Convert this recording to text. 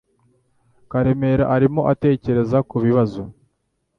Karemera arimo atekereza kubibazo